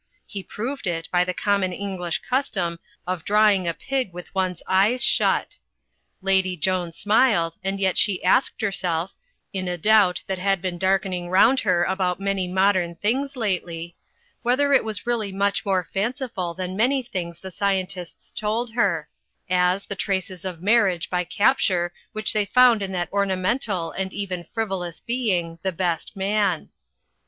He proved it by the common English custom of drawing a pig with one's eyes shut. Lady Joan smiled, and yet she asked herself (in a doubt that had been darkening round her about many modem things lately) whether it was really much more fanciful than many things the scientists told her: as, the traces of Marriage by Capture which they found in that ornamental and even frivolous being, the Best Man.